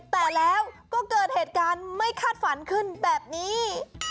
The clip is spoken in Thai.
แต่แล้วก็เกิดเหตุการณ์ไม่คาดฝันขึ้นแบบนี้